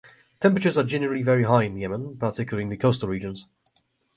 Temperatures are generally very high in Yemen, particularly in the coastal regions.